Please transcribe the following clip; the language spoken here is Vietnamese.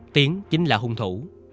tiến chính là hung thủ